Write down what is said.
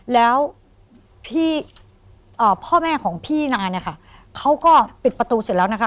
แล้วพี่พ่อแม่ของพี่นาเนี่ยค่ะเขาก็ปิดประตูเสร็จแล้วนะคะ